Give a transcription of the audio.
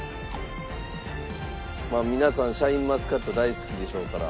まあ皆さんシャインマスカット大好きでしょうから。